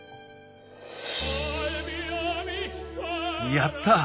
やった！